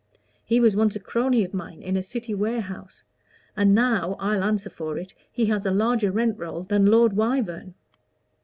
He was once a crony of mine in a city warehouse; and now, I'll answer for it, he has a larger rent roll than Lord Wyvern.